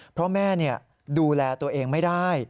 เพราะแม่ดูแลตัวเองไม่ได้